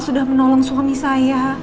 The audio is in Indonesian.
sudah menolong suami saya